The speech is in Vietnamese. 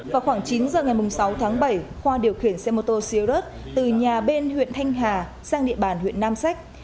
vào khoảng chín giờ ngày sáu tháng bảy khoa điều khiển xe mô tô sierr từ nhà bên huyện thanh hà sang địa bàn huyện nam sách